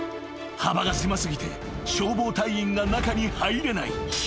［幅が狭過ぎて消防隊員が中に入れない］